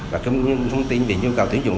và các thông tin về nhu cầu tiễn dụng